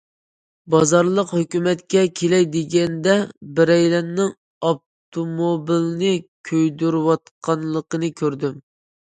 بازارلىق ھۆكۈمەتكە كېلەي دېگەندە، بىرەيلەننىڭ ئاپتوموبىلنى كۆيدۈرۈۋاتقانلىقىنى كۆردۈم.